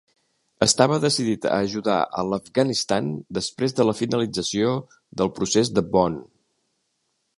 Estava decidit a ajudar a l'Afganistan després de la finalització del Procés de Bonn.